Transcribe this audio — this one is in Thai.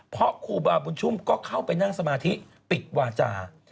เพราะครูบาบุญชุมก็เข้าไปนั่งสมาธิปิดวาจา